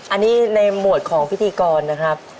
อันนี้ในหมวดของพิธีกรนะครับ